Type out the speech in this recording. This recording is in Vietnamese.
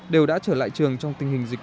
đều đã trở lại trường trong tình hình dịch